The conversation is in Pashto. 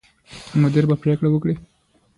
مدیر به پرېکړه وکړي.